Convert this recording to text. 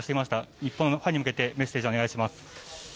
日本のファンに向けてメッセージをお願いします。